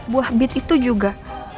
buah bit itu juga